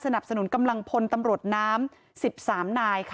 สนุนกำลังพลตำรวจน้ำ๑๓นาย